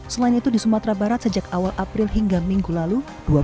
selain itu di sumatera barat sejak awal april hingga minggu lalu